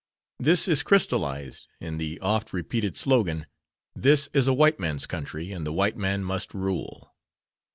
This is crystalized in the oft repeated slogan: "This is a white man's country and the white man must rule."